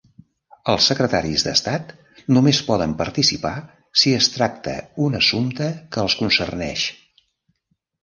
Els Secretaris d'Estat només poden participar si es tracta un assumpte que els concerneix.